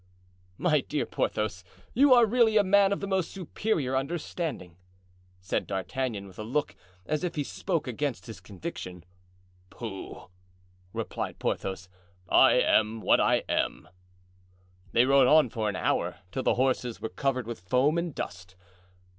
"My dear Porthos, you are really a man of most superior understanding," said D'Artagnan, with a look as if he spoke against his conviction. "Pooh!" replied Porthos, "I am what I am." They rode on for an hour, till the horses were covered with foam and dust.